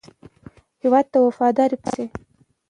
هېواد ته وفادار پاتې شئ.